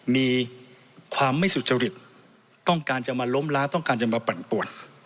มีความไม่สุจริตต้องการจะมาล้มล้าต้องการจะมาปั่นปวด